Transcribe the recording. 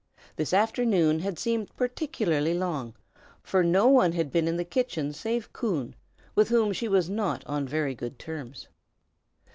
This afternoon had seemed particularly long, for no one had been in the kitchen save Coon, with whom she was not on very good terms.